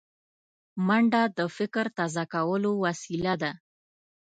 منډه د فکر تازه کولو وسیله ده